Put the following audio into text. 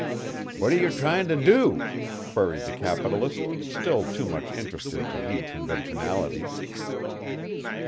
"What are you trying to do?" queried the capitalist, still too much interested to heed conventionalities.